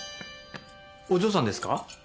お嬢さんですか？